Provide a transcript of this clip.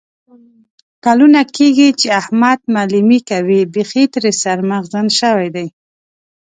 کلونه کېږي چې احمد معلیمي کوي. بیخي ترې سر مغزن شوی دی.